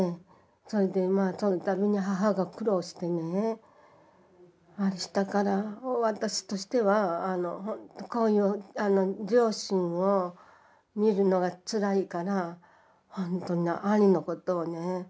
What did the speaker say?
それでそのたびに母が苦労してねあれしたから私としてはこういう両親を見るのがつらいからほんとに兄のことをね